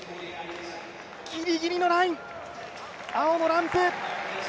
ギリギリのライン、青のランプ。